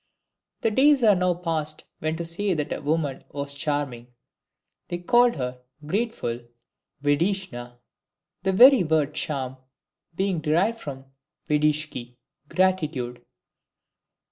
The days are now past when to say that a woman was charming, they called her GRATEFUL (WDZIECZNA); the very word charm being derived from WDZIEKI: GRATITUDE.